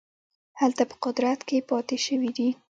هلته په قدرت کې پاته شوي دي.